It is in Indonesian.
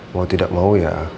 mau tidak mau ya